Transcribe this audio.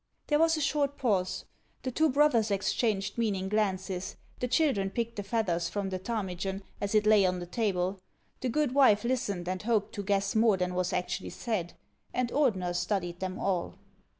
There was a short pause. The two brothers exchanged meaning glances ; the children picked the leathers from the ptarmigan as it lay on the table ; the good wife listened, and hoped to guess more than was actually said ; and Ordener studied them all.